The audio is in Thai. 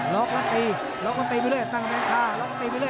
ล็อกแล้วตีล็อกต้องตีไปเลยตั้งแมงค่าล็อกต้องตีไปเลย